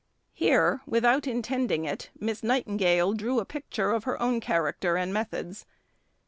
Here, without intending it, Miss Nightingale drew a picture of her own character and methods.